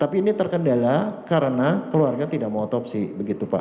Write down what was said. tapi ini terkendala karena keluarga tidak mau otopsi begitu pak